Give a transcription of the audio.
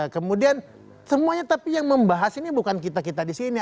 kemudian semuanya tapi yang membahas ini bukan kita kita di sini